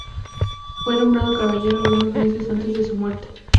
Fue nombrado caballero algunos meses antes de su muerte.